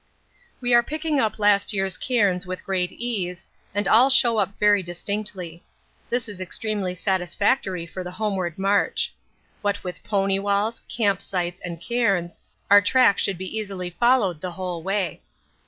We are picking up last year's cairns with great ease, and all show up very distinctly. This is extremely satisfactory for the homeward march. What with pony walls, camp sites and cairns, our track should be easily followed the whole way.